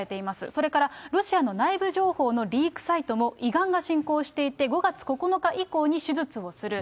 それからロシアの内部情報のリークサイトも、胃がんが進行していて、５月９日以降に手術をする。